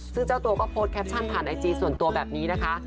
ซึ่งเจ้าตัวก็โพสต์แคปชั่นผ่านไอจีส่วนตัวแบบนี้นะคะ